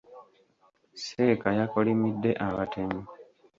Seeka yakolimidde abatemu.